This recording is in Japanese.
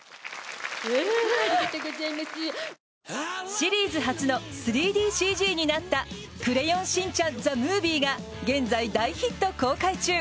シリーズ初の３ＤＣＧになった「クレヨンしんちゃんＴＨＥＭＯＶＩＥ」が現在、大ヒット公開中。